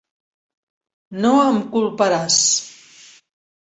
No em culparàs.